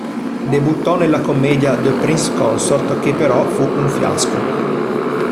Debuttò nella commedia "The Prince Consort", che però fu un fiasco.